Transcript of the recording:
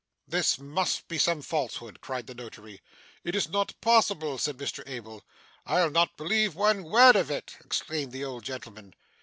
'This must be some falsehood!' cried the notary. 'It is not possible,' said Mr Abel. 'I'll not believe one word of it,' exclaimed the old gentleman.